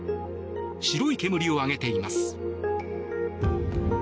白い煙を上げています。